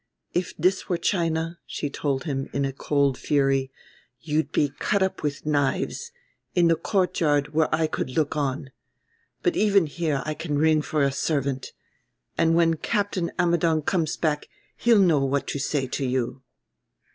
"If this were China," she told him, in a cold fury, "you'd be cut up with knives, in the court yard where I could look on. But even here I can ring for a servant; and when Captain Ammidon comes back he'll know what to say to you."